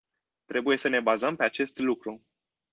Trebuie să ne bazăm pe acest lucru.